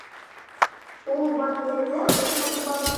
Ул бар ерҙә уңыш бар